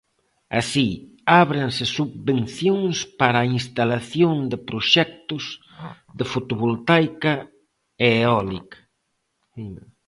Así, ábrense subvencións para a instalación de proxectos de fotovoltaica e eólica.